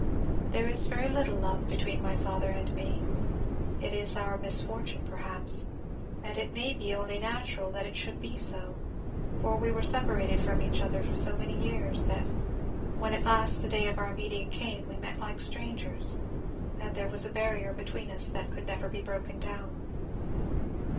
There is very little love between my father and me. It is our misfortune, perhaps: and it may be only natural that it should be so, for we were separated from each other for so many years, that, when at last the day of our meeting came, we met like strangers, and there was a barrier between us that could never be broken down.